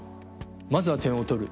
まずは点を取る。